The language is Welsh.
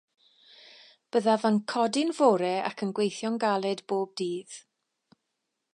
Byddaf yn codi'n fore ac yn gweithio'n galed bob dydd.